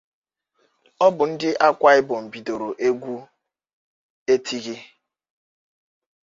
Ọ bụ ndị Akwa Ibom bidoro egwu Etighi.